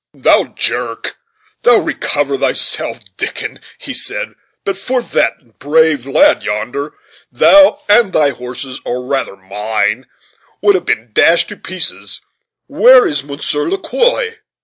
"Thou jerk! thou recover thyself, Dickon!" he said; "but for that brave lad yonder, thou and thy horses, or rather mine, would have been dashed to pieces but where is Monsieur Le Quoi?"